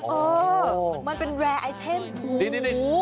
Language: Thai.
เออมันเป็นราคาครู